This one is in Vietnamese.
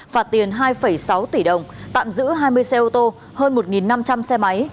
phạt tiền hai sáu tỷ đồng tạm giữ hai mươi xe ô tô hơn một năm trăm linh xe máy